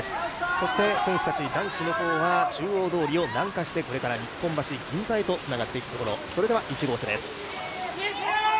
そして選手たち、男子の方は中央通りを南下してこれから日本橋、銀座へとつながっていくところそれでは１号車です。